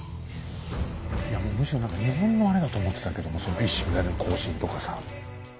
いやもうむしろ何か日本のあれだと思ってたけどもその一糸乱れぬ行進とかさ。